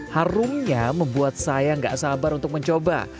harumnya membuat saya gak sabar untuk mencoba